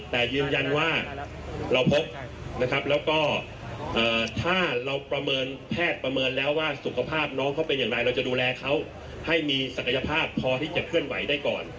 แล้วเราจะประเมินการเคลื่อนย้ายออกมาอีกครั้งหนึ่ง